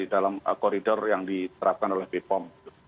dalam koridor yang diterapkan oleh bepom